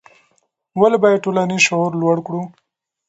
ولې باید ټولنیز شعور لوړ کړو؟